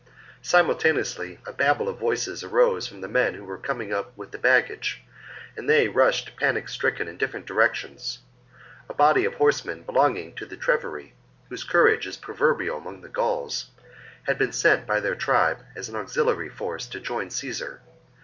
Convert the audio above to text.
Simultaneously a babel of voices arose from the men who were coming up with the baggage, and they rushed panic stricken in different direc tions. A body of horsemen belonging to the Treveri, whose courage is proverbial among the Gauls, had been sent by their tribe, as an auxiliary force, to join Caesar.